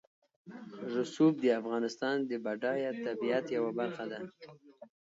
رسوب د افغانستان د بډایه طبیعت یوه برخه ده.